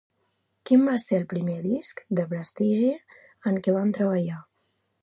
Quin va ser el primer disc de prestigi en què va treballar?